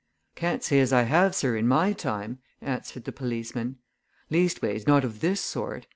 "Can't say as I have, sir, in my time," answered the policeman. "Leastways, not of this sort.